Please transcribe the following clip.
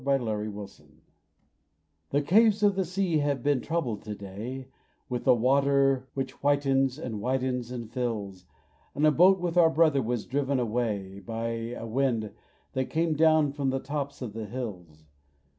By the Sea The caves of the sea have been troubled to day With the water which whitens, and widens, and fills; And a boat with our brother was driven away By a wind that came down from the tops of the hills.